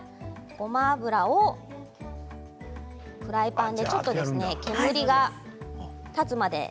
ごま油をフライパンでちょっと煙が立つまで。